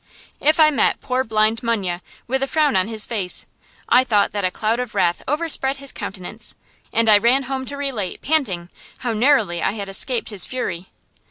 If I met poor Blind Munye with a frown on his face, I thought that a cloud of wrath overspread his countenance; and I ran home to relate, panting, how narrowly I had escaped his fury.